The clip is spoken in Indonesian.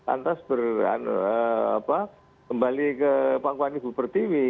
antas kembali ke pangkuan ibu pertiwi